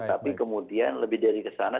tapi kemudian lebih dari kesana